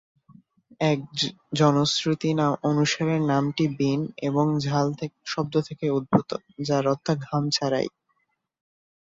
এক জনশ্রুতি অনুসারে নামটি "বিন" এবং "ঝাল" শব্দ থেকে উদ্ভূত, যার অর্থ ঘাম ছাড়াই।